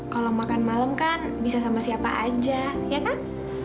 kalau makan malam kan bisa sama siapa aja ya kan